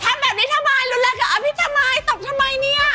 ทำแบบนี้ทำไมรุนแรงกับอภิษทำไมตบทำไมเนี่ย